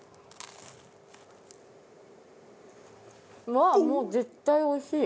もう絶対おいしい。